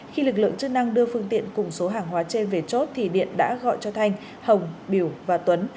khi lực lượng chức năng đưa phương tiện cùng số hàng hóa trên về chốt thì điện đã gọi cho thanh hồng biểu và tuấn